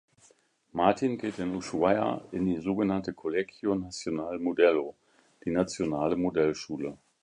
Martin geht in Ushuaia in die sogenannte „Colegio Nacional Modelo“, die „nationale Modellschule“.